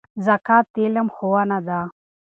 زکات د علم ښوونه ده.